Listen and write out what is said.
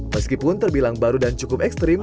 meskipun terbilang baru dan cukup ekstrim